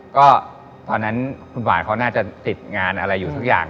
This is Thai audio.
ก็ตอนนั้นคุณบาทเขาน่าจะติดงานอะไรอยู่ทุกอย่าง